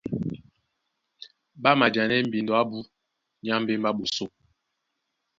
Ɓá majanɛ́ mbindo abú nyá mbémbé á ɓosó.